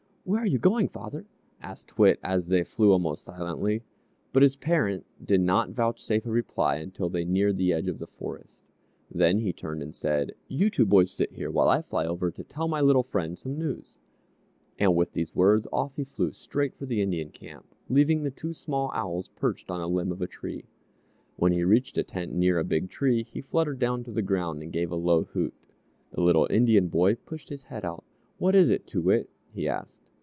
"Where are you going, father?" asked T'wit as they flew along silently; but his parent did not vouchsafe a reply until they neared the edge of the forest. Then he turned and said, "You two boys sit here while I fly over to tell my little friend some news," and with these words, off he flew straight for the Indian camp, leaving the two small owls perched on a limb of a tree. When he reached a tent near a big tree, he fluttered down to the ground, and gave a low hoot. The little Indian boy pushed his head out: "What is it, Too Wit?" he asked.